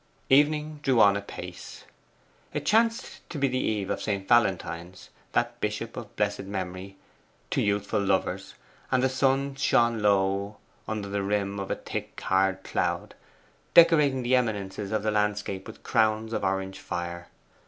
Evening drew on apace. It chanced to be the eve of St. Valentine's that bishop of blessed memory to youthful lovers and the sun shone low under the rim of a thick hard cloud, decorating the eminences of the landscape with crowns of orange fire.